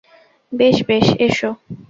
বেশ, বেশ, এসো!